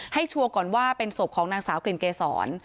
ชัวร์ก่อนว่าเป็นศพของนางสาวกลิ่นเกษร